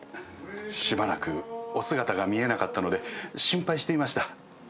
しばらくお姿が見えなかったので心配していました。